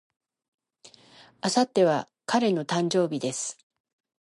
明後日は彼の誕生日です。